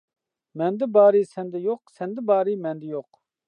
مەندە بارى سەندە يوق، سەندە بارى مەندە يوق.